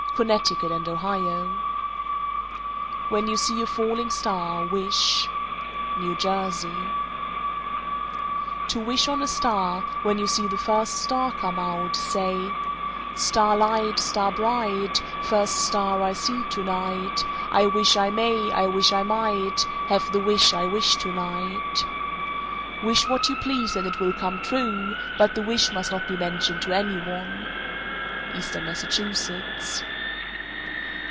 Connecticut and Ohio. 458. When you see a falling star, wish. New Jersey. 459. To wish on a star, when you see the first star come out, say: Star light, star bright, First star I see to night, I wish I may, I wish I might Have the wish I wish to night. Wish what you please and it will come true, but the wish must not be mentioned to any one. _Eastern Massachusetts.